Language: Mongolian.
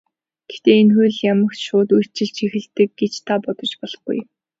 Гэхдээ энэ хууль ямагт шууд үйлчилж эхэлдэг гэж та бодож болохгүй.